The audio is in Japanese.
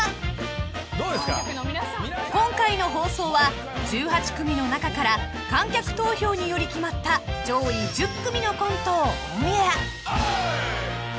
［今回の放送は１８組の中から観客投票により決まった上位１０組のコントをオンエア］